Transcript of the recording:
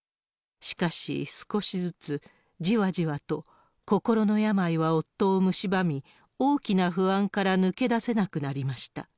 しかし、少しずつじわじわと心の病は夫をむしばみ、大きな不安から抜け出せなくなりました。